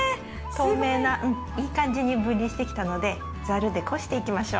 透明ないい感じに分離してきたのでざるでこしていきましょう。